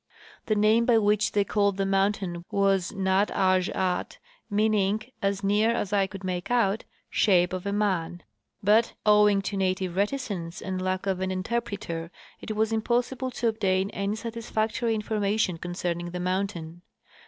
The name by which they called the mountain was Nat azh at, mean ing, as near as I could make out, " shape of a man ;" but, owing to native reticence and lack of an interpreter, it was impossible to obtain any satisfactory information concerning the mountain.